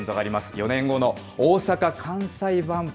４年後の大阪・関西万博。